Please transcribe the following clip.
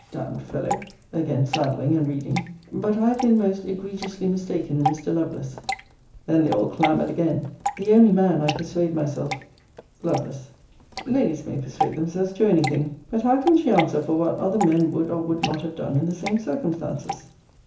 D d fellow! [Again saddling, and reading.] 'But I have been most egregiously mistaken in Mr. Lovelace!' [Then they all clamoured again.] 'The only man, I persuade myself' Lovel. Ladies may persuade themselves to any thing: but how can she answer for what other men would or would not have done in the same circumstances?